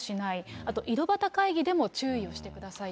あと井戸端会議でも注意をしてくださいと。